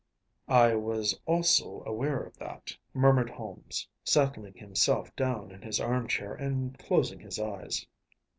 ‚ÄĚ “I was also aware of that,‚ÄĚ murmured Holmes, settling himself down in his armchair and closing his eyes.